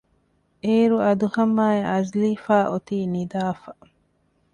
އޭރު އަދުހަމްއާއި އަޒްލީފާ އޮތީ ނިދާފަ